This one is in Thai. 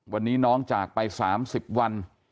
วันนี้น้องจากไป๓๐วัน